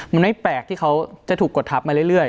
มันไม่แปลกที่เขาจะถูกกดทับมาเรื่อย